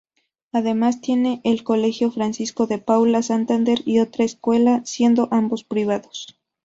Además tiene el colegio Francisco de Paula Santander y otro escuela, siendo ambos privados.